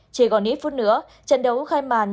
chỉ còn ít phút nữa trận đấu khai mản